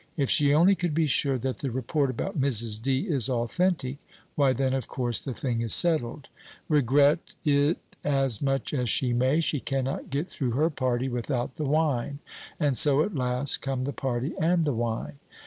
If she only could be sure that the report about Mrs. D. is authentic, why, then, of course the thing is settled; regret it as much as she may, she cannot get through her party without the wine; and so at last come the party and the wine.